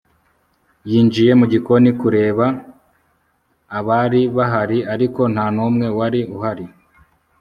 yinjiye mu gikoni kureba abari bahari, ariko nta muntu wari uhari